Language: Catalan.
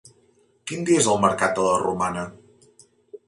Quin dia és el mercat de la Romana?